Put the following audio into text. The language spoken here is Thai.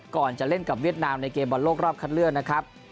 ก่อนจะเล่นกับเวียดนามในเกมบอลโลกรอบคัดเลือกนะครับ